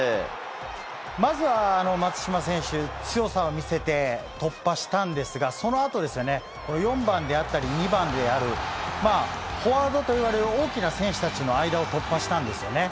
まずは松島選手、強さを見せて、突破したんですが、そのあとですよね、４番であったり、２番である、フォワードといわれる大きな選手たちの間を突破したんですよね。